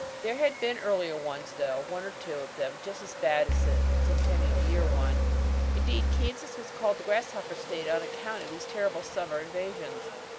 There had been earlier ones, though, one or two of them just as bad as the Centennial year one. Indeed Kansas was called the Grasshopper State on account of these terrible summer invasions.